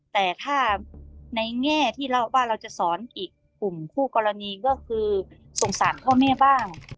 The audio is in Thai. แต่ถ้าในแง่ที่เราว่าเราจะสอนอีกคุมพูดความกรรณีก็คือส่งสารเพราะเมี้ยบ้าง